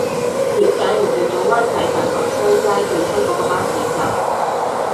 點解唔見左灣仔大王西街對開嗰個巴士站